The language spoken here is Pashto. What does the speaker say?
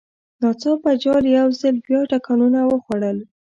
ناڅاپه جال یو ځل بیا ټکانونه وخوړل.